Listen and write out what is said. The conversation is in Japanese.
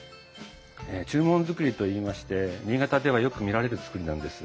中門造りといいまして新潟ではよく見られる造りなんです。